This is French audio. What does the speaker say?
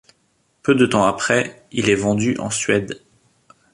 Peu de temps après, il est vendu en Suède.